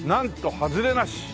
ハズレなし！！」。